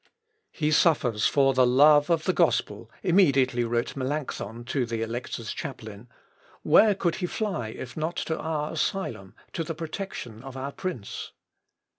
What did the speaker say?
"He suffers for the love of the gospel," immediately wrote Melancthon to the Elector's chaplain, "where could he fly if not to our ασυλον, (asylum,) to the protection of our prince?"